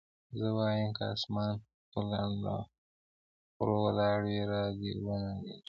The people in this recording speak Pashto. زه وايم که اسمان پر لنډه غرو ولاړ وي را دې ونړېږي.